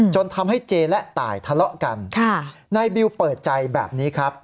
จนทำให้เจและตายทะเลาะกันนายบิวเปิดใจแบบนี้ครับ